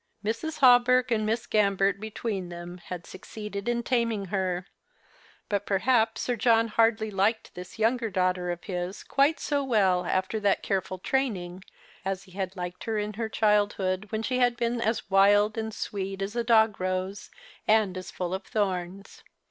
Mrs. Hawberk and Miss Grambert between them had succeeded in taming her; but perhaps Sir John hardly liked this younger daughter of his quite so well after that careful training as he had liked her in her childhood, when she had been as wild and sweet as a dog rose and as full of thorns.